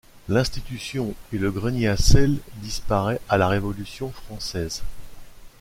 L’institution et le grenier à sel disparaît à la Révolution française.